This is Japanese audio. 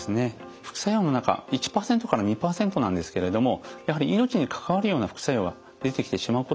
副作用の中１％から２％なんですけれどもやはり命に関わるような副作用が出てきてしまうことがあります。